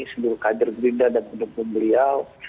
sebelum kajar gerindra dan pendukung beliau